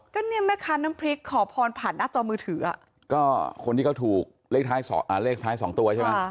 ก็เนี่ยแม่ค้าน้ำพริกขอพรผ่านหน้าจอมือถืออ่ะก็คนที่เขาถูกเลขท้ายเลขท้ายสองตัวใช่ไหม